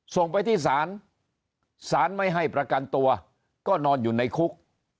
ส่งไปที่ศาลศาลไม่ให้ประกันตัวก็นอนอยู่ในคุก